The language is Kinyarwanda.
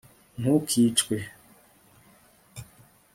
ntukicwe